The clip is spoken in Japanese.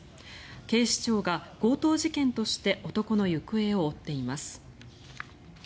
警視庁が強盗事件として男の行方を追っています。